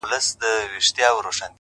هوډ د سختو ورځو تکیه ده!